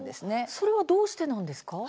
それはどうしてなんですか。